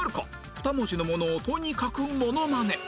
２文字のものをとにかくモノマネ